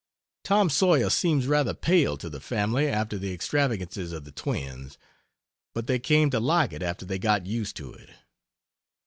"Tom Sawyer" seems rather pale to the family after the extravagances of the Twins, but they came to like it after they got used to it.